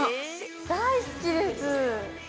◆大好きです。